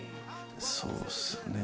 そうですね。